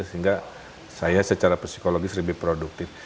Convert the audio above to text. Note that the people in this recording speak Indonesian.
sehingga saya secara psikologis lebih produktif